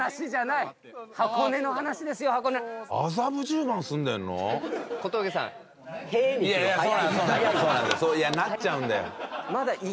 いやなっちゃうんだよ。